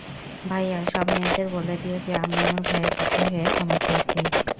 ভাইয়া, সব মেয়েদের বলে দিও যে আমি আমার ভাইয়ের পক্ষ হয়ে ক্ষমা চেয়েছি।